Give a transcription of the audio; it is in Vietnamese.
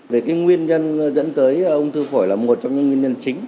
về cái nguyên nhân dẫn tới hút thuốc phổi là một trong những nguyên nhân chính